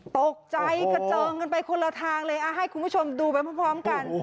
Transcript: ตกใจกระเจิงกันไปคนละทางเลยให้คุณผู้ชมดูไปพร้อมกัน